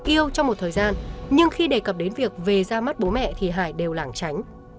yêu trong một thời gian nhưng khi đề cập đến việc về ra mắt bố mẹ thì hải đều lảng tránh